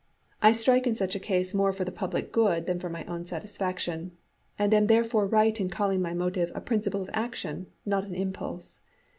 I strike in such a case more for the public good than for my own satisfaction, and am therefore right in calling my motive a principle of action, not an impulse.